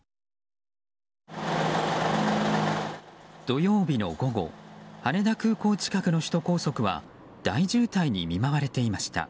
土曜日の午後羽田空港近くの首都高速は大渋滞に見舞われていました。